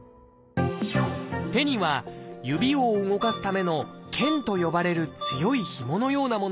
手には指を動かすための「腱」と呼ばれる強いひものようなものがあります。